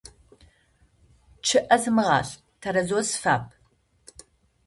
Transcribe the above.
ЧъӀыэ зымгъалӀ, тэрэзэу зыфап.